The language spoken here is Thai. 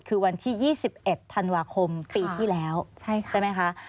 คือวันที่๒๑ธันวาคมปีที่แล้วใช่ไหมคะ